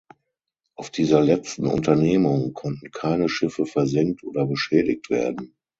Auf dieser letzten Unternehmung konnten keine Schiffe versenkt oder beschädigt werden.